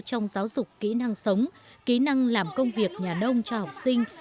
trong giáo dục kỹ năng sống kỹ năng làm công việc nhà nông cho học sinh